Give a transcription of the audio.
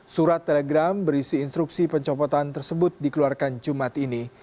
surat telegram berisi instruksi pencopotan tersebut dikeluarkan jumat ini